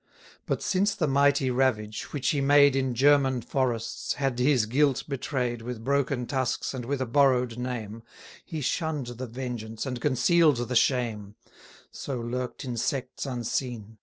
But since the mighty ravage, which he made In German forests, had his guilt betray'd, With broken tusks, and with a borrow'd name; 50 He shunn'd the vengeance, and conceal'd the shame: So lurk'd in sects unseen.